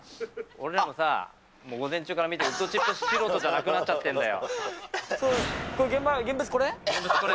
俺らもさ、もう午前中から見てウッドチップ素人じゃなくなっちゃってるんだこれ、現場、現場これ？